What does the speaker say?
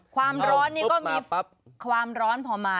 ความร้อนนี่ก็มีความร้อนพอมา